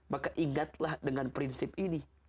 maka ingatlah dengan prinsip ini